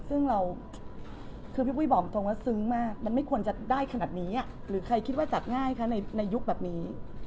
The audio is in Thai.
ซึ่งเราคือพี่ปุ้ยบอกตรงว่าซึ้งมากมันไม่ควรจะได้ขนาดนี้หรือใครคิดว่าจัดง่ายคะในยุคแบบนี้